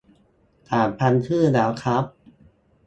สามพันชื่อแล้วคร้าบ